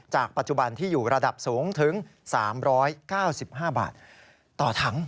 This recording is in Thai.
ปัจจุบันที่อยู่ระดับสูงถึง๓๙๕บาทต่อถัง